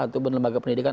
atau lembaga pendidikan